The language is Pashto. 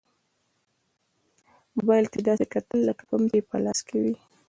موبايل ته يې داسې کتل لکه بم چې يې په لاس کې وي.